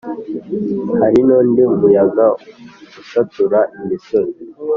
Hari n’undi muyaga usatura imisozi,